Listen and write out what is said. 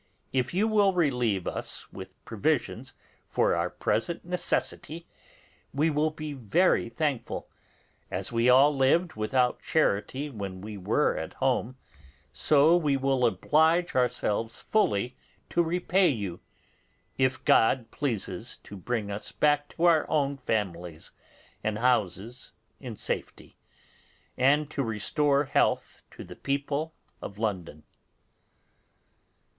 If you will relieve us with provisions for our present necessity, we will be very thankful; as we all lived without charity when we were at home, so we will oblige ourselves fully to repay you, if God pleases to bring us back to our own families and houses in safety, and to restore health to the people of London.